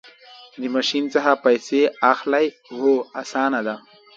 د ماشین څخه پیسې اخلئ؟ هو، اسانه ده